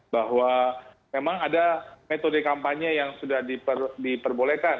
bahwa memang ada metode kampanye yang sudah diperbolehkan